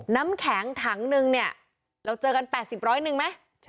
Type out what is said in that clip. น้ำแข็งถังนึงเนี่ยเราเจอกัน๘๐ร้อยหนึ่งไหม